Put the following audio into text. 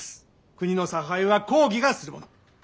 国の差配は公儀がするもの。